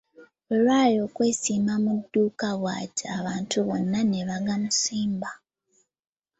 Olwali okwesimba mu dduuka bw'ati, abantu bonna ne bagamusimba.